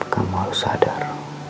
kamu harus sadar